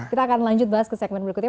kita akan lanjut bahas ke segmen berikutnya